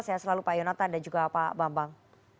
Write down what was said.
saya selalu pak yonatan dan juga pak bambang